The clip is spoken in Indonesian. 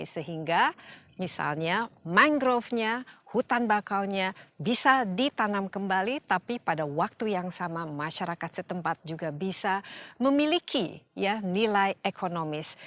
sehingga misalnya mangrovenya hutan bakaunya bisa ditanam kembali tapi pada waktu yang sama masyarakat setempat juga bisa memiliki nilai ekonomis